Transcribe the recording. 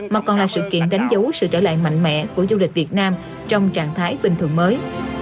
mà còn là sự kiện đánh dấu sự trở lại mạnh mẽ của du lịch việt nam trong trạng thái bình thường mới